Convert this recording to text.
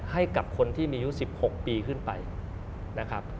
ให้กับคนที่มีอายุ๑๖ปีขึ้นไปนะครับ